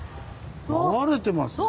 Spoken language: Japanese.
流れてますよ。